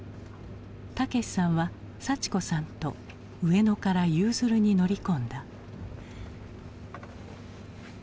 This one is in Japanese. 武さんは幸子さんと上野からゆうづるに乗り込んだ。